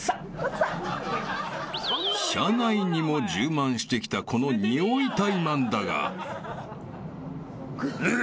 ［車内にも充満してきたこの臭いタイマンだが］